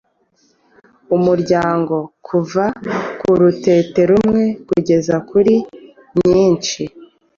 umuryango kuva ku rutete rumwe kugeza kuri nyinshi.